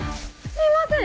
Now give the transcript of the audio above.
すいません。